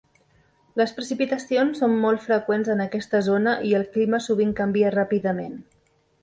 Les precipitacions són molt freqüents en aquesta zona i el clima sovint canvia ràpidament.